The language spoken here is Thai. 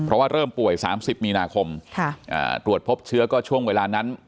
เพราะว่าเริ่มป่วย๓๐มีนาคมตรวจพบเชื้อก็ช่วงเวลานั้น